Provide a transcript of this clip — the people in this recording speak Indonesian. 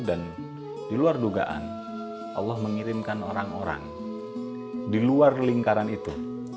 dan di luar dugaan allah mengirimkan orang orang di luar lingkaran itu